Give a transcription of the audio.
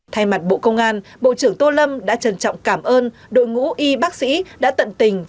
thay mặt bộ công an bộ trưởng tô lâm đã trân trọng cảm ơn đội ngũ y bác sĩ đã tận tình